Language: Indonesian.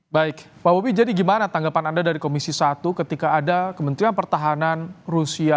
baik pak bobi jadi gimana tanggapan anda dari komisi satu ketika ada kementerian pertahanan rusia